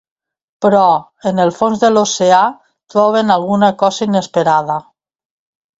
Però, en el fons de l'oceà, troben alguna cosa inesperada.